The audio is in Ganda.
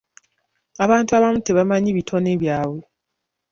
Abantu abamu tebamanyi bitone byabwe.